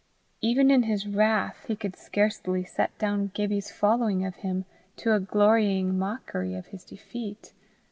Even in his wrath he could scarcely set down Gibbie's following of him to a glorying mockery of his defeat.